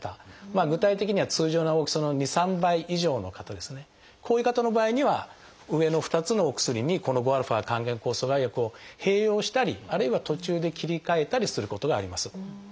具体的には通常の大きさの２３倍以上の方こういう方の場合には上の２つのお薬にこの５α還元酵素阻害薬を併用したりあるいは途中で切り替えたりすることがあります。